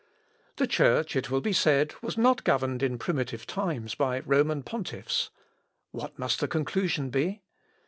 "The Church, it will be said, was not governed in primitive times by Roman pontiffs What must the conclusion be?